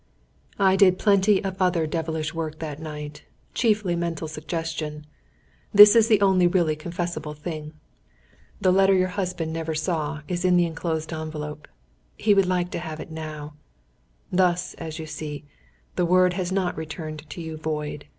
"I did plenty of other devilish work that night chiefly mental suggestion. This is the only really confessable thing. "The letter your husband never saw, is in the enclosed envelope. He will like to have it now. "Thus, as you see, the Word has not returned unto you void.